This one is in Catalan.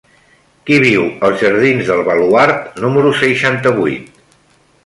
Qui viu als jardins del Baluard número seixanta-vuit?